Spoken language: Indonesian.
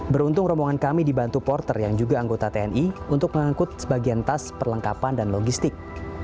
beruntung rombongan kami dibantu porter yang juga anggota tni untuk mengangkut sebagian tas perlengkapan dan logistik